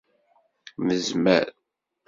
Nezmer.